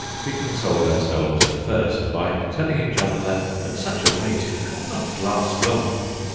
We consoled ourselves at first by telling each other that at such a rate it could not last long.